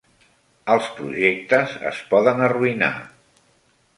Els projectes es poden arruïnar